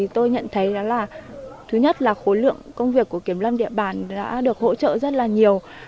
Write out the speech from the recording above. tôi nhận thấy đó là thứ nhất là khối lượng công việc của kiểm lâm địa bàn đã được hỗ trợ rất là nhiều